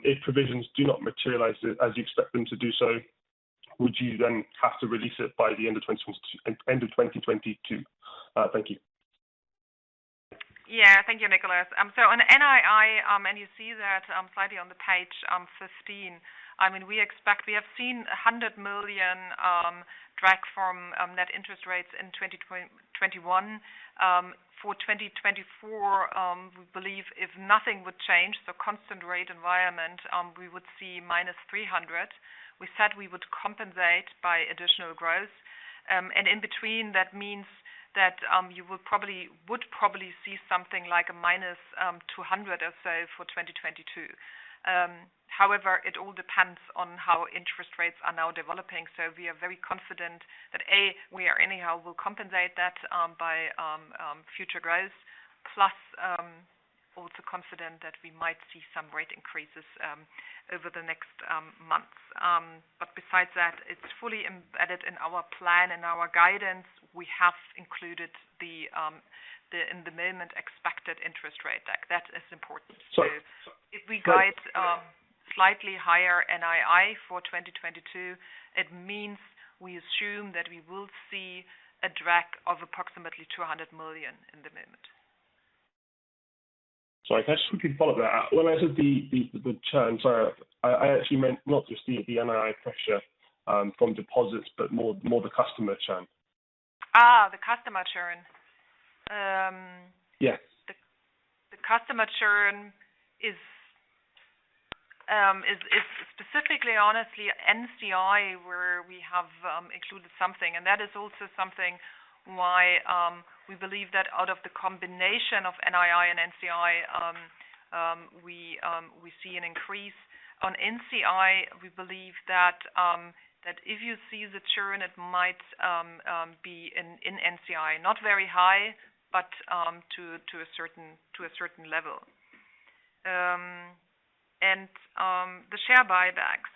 if provisions do not materialize as you expect them to do so, would you then have to release it by the end of 2022? Thank you. Yeah. Thank you, Nicholas. On NII, and you see that slightly on the page 15, I mean, we expect we have seen 100 million drag from net interest rates in 2021. For 2024, we believe if nothing would change, so constant rate environment, we would see -300 million. We said we would compensate by additional growth. In between, that means that you would probably see something like a -200 million or so for 2022. However, it all depends on how interest rates are now developing. We are very confident that, A, we are anyhow will compensate that by future growth, plus also confident that we might see some rate increases over the next months. Besides that, it's fully embedded in our plan and our guidance. We have included the at the moment expected interest rate. That is important. Sorry. If we guide slightly higher NII for 2022, it means we assume that we will see a drag of approximately 200 million at the moment. Sorry. Can I just quickly follow that? When I said the churn, sorry, I actually meant not just the NII pressure from deposits, but more the customer churn. The customer churn. Yes. The customer churn is specifically on NCI, where we have included something. That is also something why we believe that out of the combination of NII and NCI, we see an increase. On NCI, we believe that if you see the churn, it might be in NCI, not very high, but to a certain level. The share buybacks,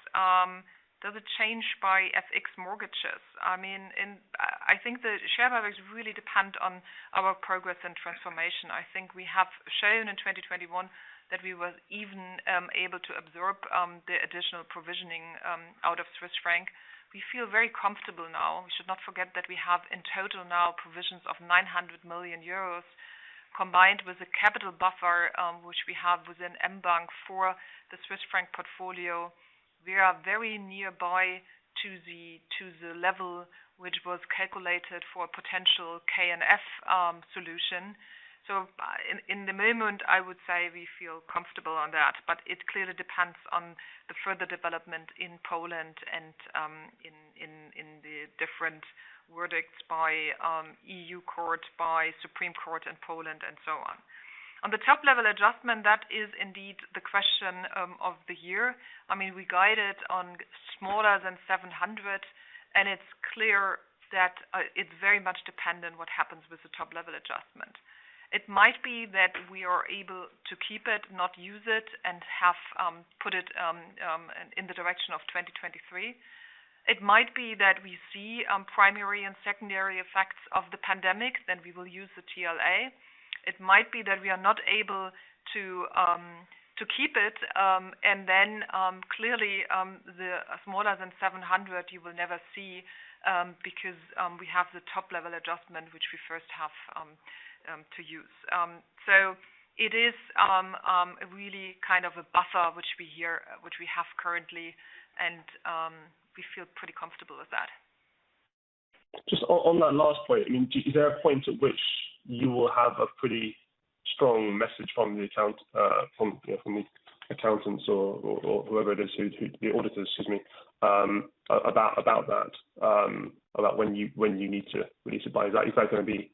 does it change by FX mortgages? I mean, I think the share buybacks really depend on our progress and transformation. I think we have shown in 2021 that we were even able to absorb the additional provisioning out of Swiss franc. We feel very comfortable now. We should not forget that we have in total now provisions of 900 million euros combined with the capital buffer, which we have within mBank for the Swiss franc portfolio. We are very near to the level which was calculated for potential KNF solution. In the moment, I would say we feel comfortable on that, but it clearly depends on the further development in Poland and in the different verdicts by E.U. courts, by Supreme Court in Poland and so on. On the top-level adjustment, that is indeed the question of the year. I mean, we guided on smaller than 700 million, and it's clear that it very much depends on what happens with the top-level adjustment. It might be that we are able to keep it, not use it, and have put it in the direction of 2023. It might be that we see primary and secondary effects of the pandemic, then we will use the TLA. It might be that we are not able to keep it, and then clearly the smaller than 700 you will never see, because we have the top-level adjustment which we first have to use. It is really kind of a buffer which we have currently, and we feel pretty comfortable with that. Just on that last point, I mean, is there a point at which you will have a pretty strong message from the accountants or whoever it is, the auditors, excuse me, about when you need to survive that. Is that gonna be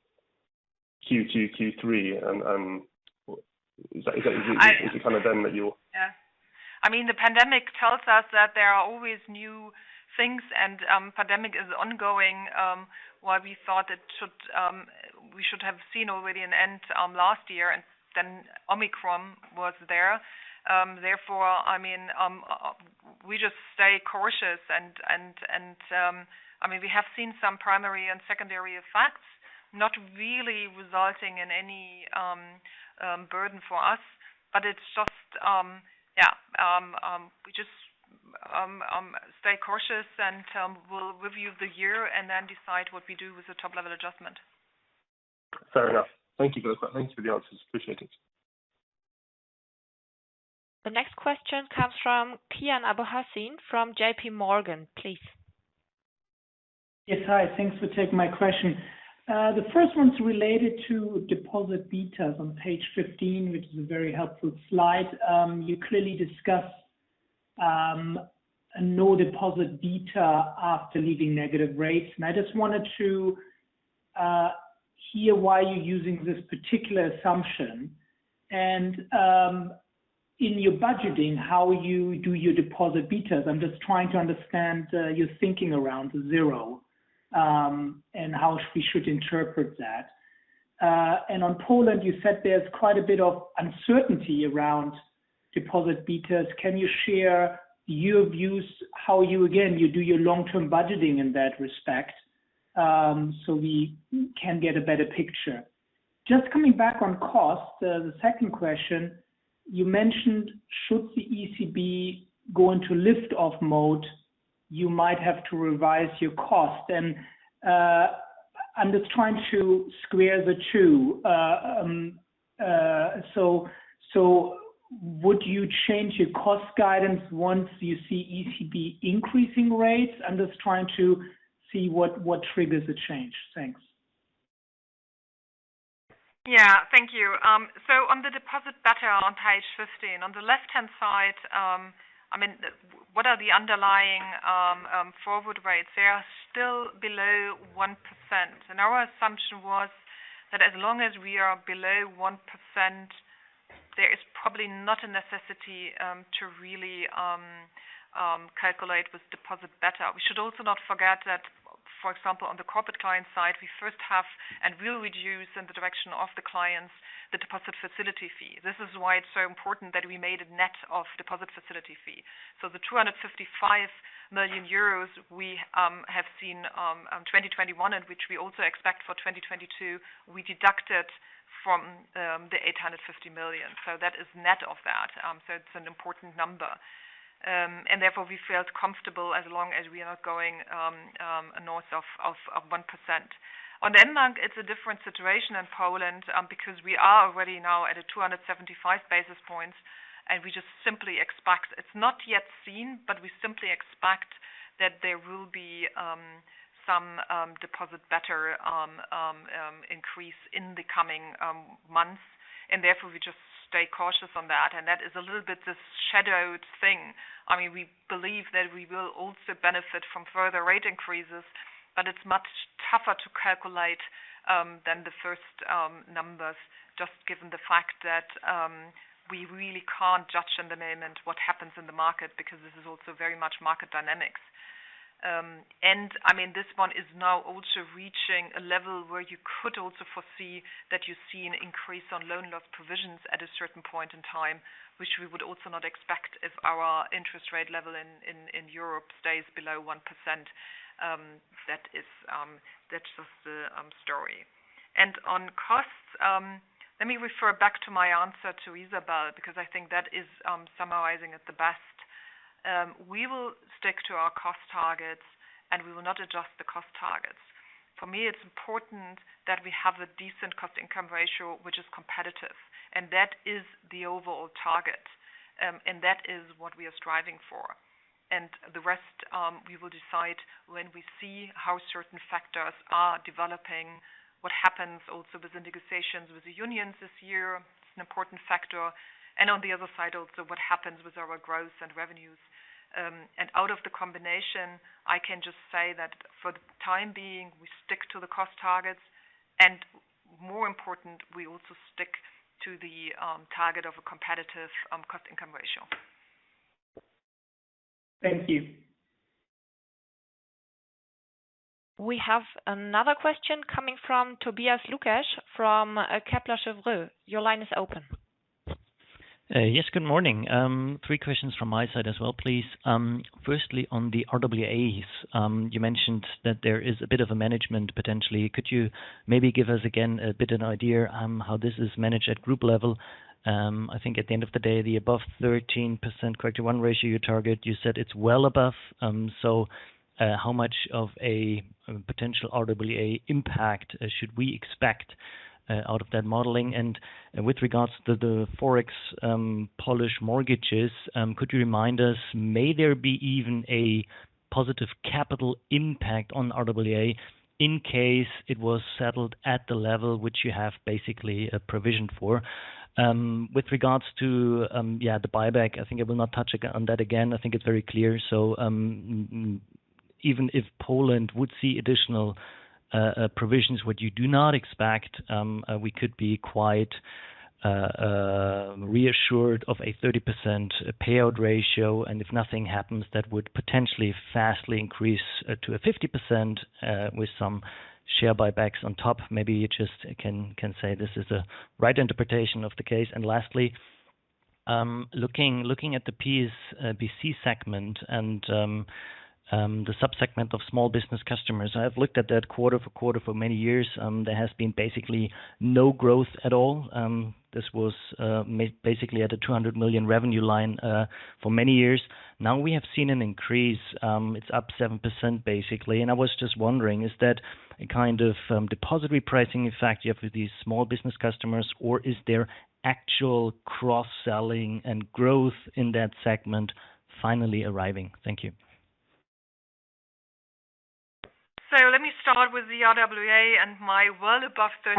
Q2, Q3, is it kind of then that you'll- Yeah. I mean, the pandemic tells us that there are always new things and pandemic is ongoing, while we should have seen already an end last year, and then Omicron was there. Therefore, I mean, we just stay cautious and I mean, we have seen some primary and secondary effects, not really resulting in any burden for us. It's just, we just stay cautious and we'll review the year and then decide what we do with the top-level adjustment. Fair enough. Thank you for those. Thanks for the answers. Appreciate it. The next question comes from Kian Abouhossein from JPMorgan, please. Yes. Hi. Thanks for taking my question. The first one's related to deposit betas on page 15, which is a very helpful slide. You clearly discuss a no deposit beta after leaving negative rates. I just wanted to hear why you're using this particular assumption. In your budgeting, how you do your deposit betas. I'm just trying to understand your thinking around zero and how we should interpret that. On Poland, you said there's quite a bit of uncertainty around deposit betas. Can you share your views how you do your long-term budgeting in that respect, so we can get a better picture? Just coming back on cost, the second question, you mentioned should the ECB go into lift-off mode, you might have to revise your cost. I'm just trying to square the two. Would you change your cost guidance once you see ECB increasing rates? I'm just trying to see what triggers the change. Thanks. Yeah. Thank you. On the deposit beta on page 15, on the left-hand side, I mean, what are the underlying forward rates? They are still below 1%. Our assumption was that as long as we are below 1%, there is probably not a necessity to really calculate with deposit beta. We should also not forget that, for example, on the Corporate Clients side, we first have and will reduce in the direction of the clients the deposit facility fee. This is why it's so important that we made a net of deposit facility fee. The 255 million euros we have seen in 2021 and which we also expect for 2022, we deducted from the 850 million. That is net of that. It's an important number. Therefore, we felt comfortable as long as we are going north of 1%. On mBank, it's a different situation in Poland because we are already now at 275 basis points, and we just simply expect. It's not yet seen, but we simply expect that there will be some deposit beta increase in the coming months. Therefore, we just stay cautious on that. That is a little bit this shadowed thing. I mean, we believe that we will also benefit from further rate increases, but it's much tougher to calculate than the first numbers, just given the fact that we really can't judge in the moment what happens in the market because this is also very much market dynamics. I mean, this one is now also reaching a level where you could also foresee that you see an increase on loan loss provisions at a certain point in time, which we would also not expect if our interest rate level in Europe stays below 1%. That is, that's just the story. On costs, let me refer back to my answer to Izabel because I think that is summarizing it the best. We will stick to our cost targets, and we will not adjust the cost targets. For me, it's important that we have a decent cost-income ratio which is competitive, and that is the overall target. That is what we are striving for. The rest, we will decide when we see how certain factors are developing, what happens also with the negotiations with the unions this year, it's an important factor, and on the other side also, what happens with our growth and revenues. Out of the combination, I can just say that for the time being, we stick to the cost targets, and more important, we also stick to the target of a competitive cost-income ratio. Thank you. We have another question coming from Tobias Lukesch from Kepler Cheuvreux. Your line is open. Yes, good morning. Three questions from my side as well, please. Firstly, on the RWAs, you mentioned that there is a bit of management potential. Could you maybe give us again a bit of an idea how this is managed at group level? I think at the end of the day, the above 13% CET1 ratio you target, you said it's well above. How much of a potential RWA impact should we expect out of that modeling? With regards to the FX Polish mortgages, could you remind us, may there be even a positive capital impact on RWA in case it was settled at the level which you have basically a provision for? With regards to the buyback, I think I will not touch on that again. I think it's very clear. Even if Poland would see additional provisions which you do not expect, we could be quite reassured of a 30% payout ratio. If nothing happens, that would potentially fastly increase to a 50%, with some share buybacks on top. Maybe you just can say this is the right interpretation of the case. Lastly, looking at the PSBC segment and the subsegment of small business customers. I have looked at that quarter-over-quarter for many years. There has been basically no growth at all. This was basically at a 200 million revenue line for many years. Now we have seen an increase, it's up 7%, basically. I was just wondering, is that a kind of, deposit repricing effect you have with these small business customers, or is there actual cross-selling and growth in that segment finally arriving? Thank you. Let me start with the RWA and my well above 30%.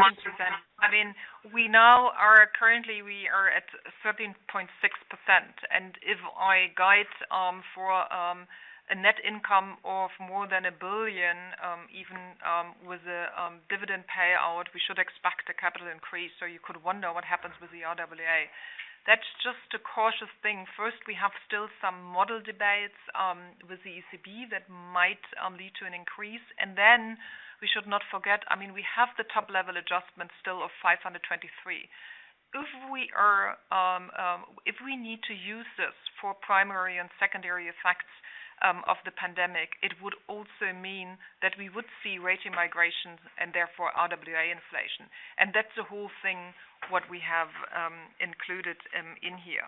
I mean, we currently are at 13.6%. If I guide for a net income of more than 1 billion, even with a dividend payout, we should expect a capital increase. You could wonder what happens with the RWA. That's just a cautious thing. First, we have still some model debates with the ECB that might lead to an increase. Then we should not forget, I mean, we have the top-level adjustment still of 523 million. If we need to use this for primary and secondary effects of the pandemic, it would also mean that we would see rating migrations and therefore RWA inflation. That's the whole thing, what we have included in here.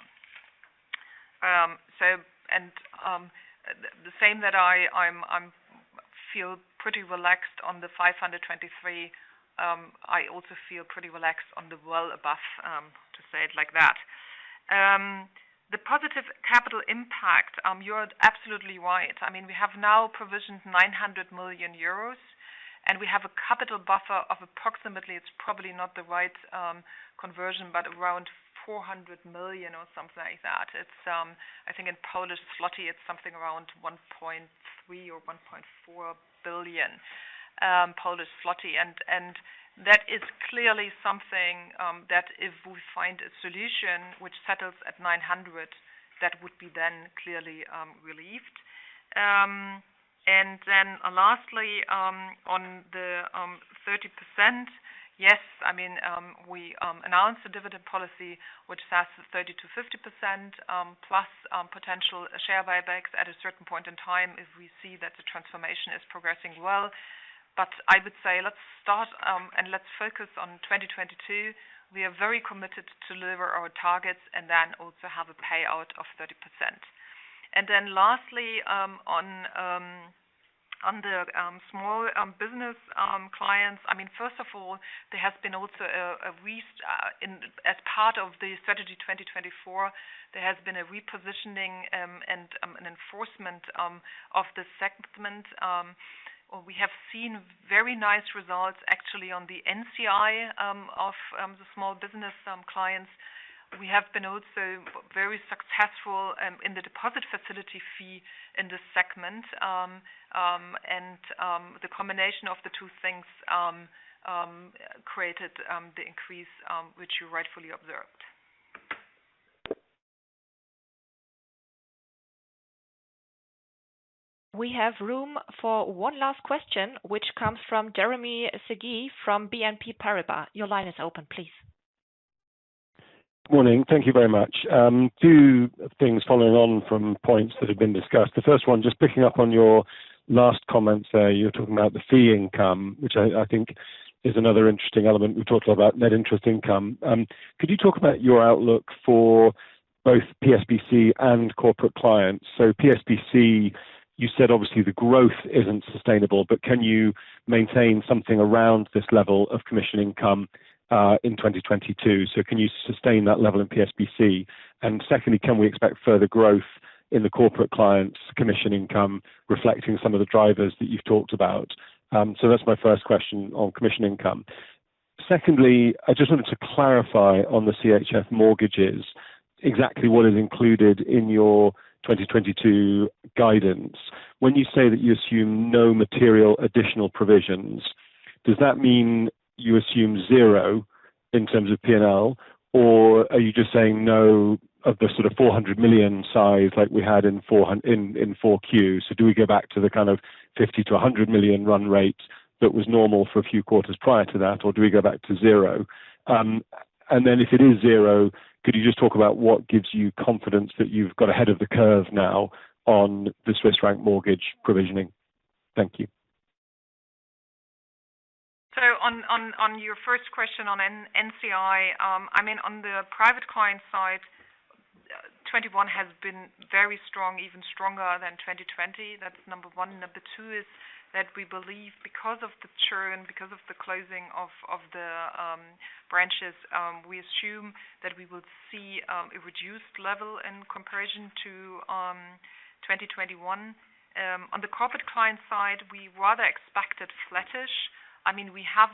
The same, I feel pretty relaxed on the 523 million. I also feel pretty relaxed on the well above, to say it like that. The positive capital impact, you are absolutely right. I mean, we have now provisioned 900 million euros, and we have a capital buffer of approximately. It's probably not the right conversion, but around 400 million or something like that. It's, I think in Polish zloty, it's something around 1.3 billion or 1.4 billion Polish zloty. That is clearly something that if we find a solution which settles at 900 million, that would be then clearly relieved. Then lastly, on the 30%, yes, I mean, we announced a dividend policy which has 30%-50%, plus potential share buybacks at a certain point in time if we see that the transformation is progressing well. I would say let's start and let's focus on 2022. We are very committed to deliver our targets and then also have a payout of 30%. On the small business clients, I mean, first of all, there has also been a repositioning, and an enforcement of the segment, or we have seen very nice results actually on the NCI of the small business clients. We have been also very successful in the deposit facility fee in this segment, and the combination of the two things created the increase which you rightfully observed. We have room for one last question, which comes from Jeremy Sigee from BNP Paribas. Your line is open, please. Morning. Thank you very much. Two things following on from points that have been discussed. The first one, just picking up on your last comment there, you were talking about the fee income, which I think is another interesting element. We've talked about net interest income. Could you talk about your outlook for both PSBC and Corporate Clients? PSBC, you said obviously the growth isn't sustainable, but can you maintain something around this level of commission income in 2022? Can you sustain that level in PSBC? And secondly, can we expect further growth in the Corporate Clients' commission income reflecting some of the drivers that you've talked about? That's my first question on commission income. Secondly, I just wanted to clarify on the CHF mortgages exactly what is included in your 2022 guidance. When you say that you assume no material additional provisions, does that mean you assume zero in terms of P&L, or are you just saying no of the sort of 400 million size like we had in 4Q? Do we go back to the kind of 50 million-100 million run rate that was normal for a few quarters prior to that, or do we go back to zero? Then if it is zero, could you just talk about what gives you confidence that you've got ahead of the curve now on the Swiss franc mortgage provisioning? Thank you. On your first question on NCI, I mean, on the private client side, 2021 has been very strong, even stronger than 2020. That's number one. Number two is that we believe because of the churn, because of the closing of the branches, we assume that we will see a reduced level in comparison to 2021. On the corporate client side, we rather expect it flattish. I mean, we have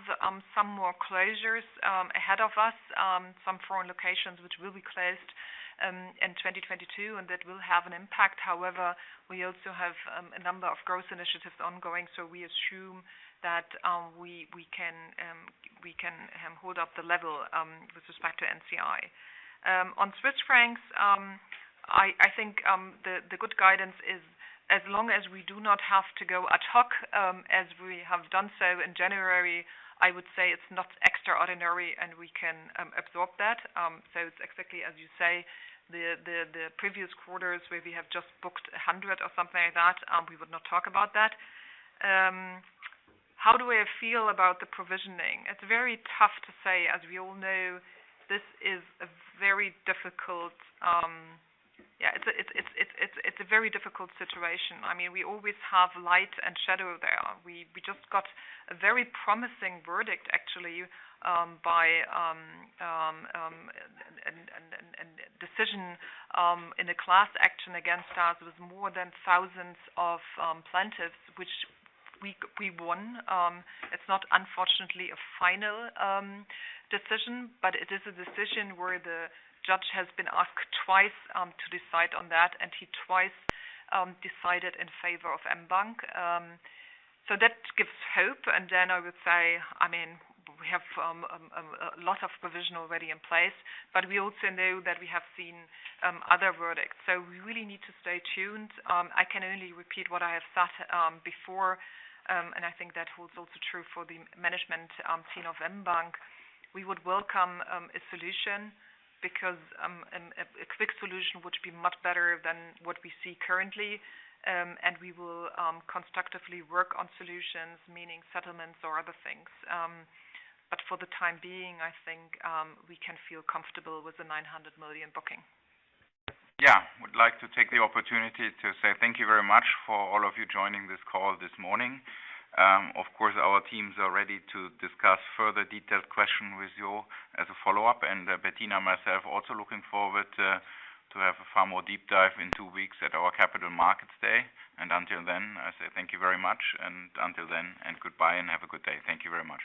some more closures ahead of us, some foreign locations which will be closed in 2022, and that will have an impact. However, we also have a number of growth initiatives ongoing, so we assume that we can hold up the level with respect to NCI. On Swiss francs, I think the good guidance is as long as we do not have to go ad hoc, as we have done so in January. I would say it's not extraordinary, and we can absorb that. It's exactly as you say, the previous quarters where we have just booked 100 or something like that, we would not talk about that. How do I feel about the provisioning? It's very tough to say, as we all know. This is a very difficult situation. I mean, we always have light and shadow there. We just got a very promising verdict actually and decision in a class action against us with more than thousands of plaintiffs, which we won. It's not, unfortunately, a final decision, but it is a decision where the judge has been asked twice to decide on that, and he twice decided in favor of mBank. So that gives hope. Then I would say, I mean, we have a lot of provision already in place, but we also know that we have seen other verdicts. So we really need to stay tuned. I can only repeat what I have said before, and I think that holds also true for the management team of mBank. We would welcome a solution because a quick solution would be much better than what we see currently. We will constructively work on solutions, meaning settlements or other things. For the time being, I think we can feel comfortable with the 900 million booking. Yeah. We'd like to take the opportunity to say thank you very much for all of you joining this call this morning. Of course, our teams are ready to discuss further detailed question with you as a follow-up. Bettina and myself also looking forward to have a far more deep dive in two weeks at our Capital Markets Day. Until then, I say thank you very much, goodbye and have a good day. Thank you very much.